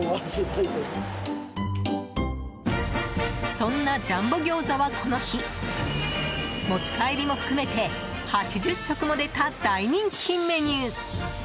そんなジャンボギョーザはこの日持ち帰りも含めて８０食も出た大人気メニュー。